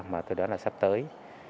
mà tôi đoán là sắp tới